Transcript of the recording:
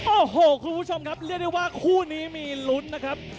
โอ้โหคุณผู้ชมครับเรียกได้ว่าคู่นี้มีลุ้นนะครับ